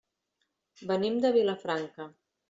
Venim de Vilafranca.